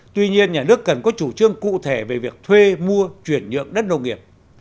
tuy nhiên nhà nước cần có chủ trương cụ thể về việc thuê mua chuyển nhượng đất nông nghiệp